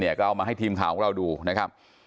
ก็เอามาให้ทีมข่าวของเราดูนะครับ